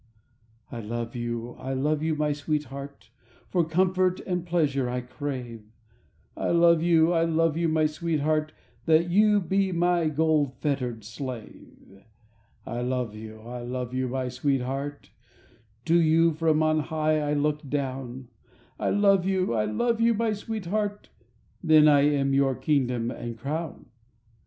"I love you, I love you, my sweetheart— For comfort and pleasure I crave; I love you, I love you, my sweetheart, Then you be my gold fettered slave. I love you, I love you, my sweetheart, To you from on high I look down; I love you, I love you, my sweetheart— Then I am your kingdom and crown. .